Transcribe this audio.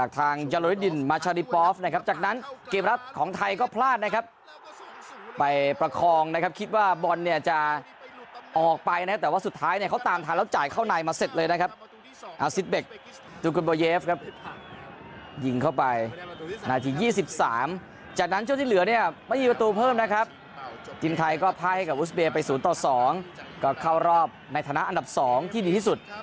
ทางฝั่งของไทยก็พลาดนะครับไปประคองนะครับคิดว่าบอลเนี่ยจะออกไปนะแต่ว่าสุดท้ายเนี่ยเขาตามทานแล้วจ่ายเข้าในมาเสร็จเลยนะครับเอาซิดเบคตุกุนโบเยฟครับยิงเข้าไปหน้าที่๒๓จากนั้นเจ้าที่เหลือเนี่ยไม่มีประตูเพิ่มนะครับจินไทยก็พลาดให้กับอุสเบคิสฐานไป๐ต่อ๒ก็เข้ารอบในฐานะอันดับ๒ที่ดีท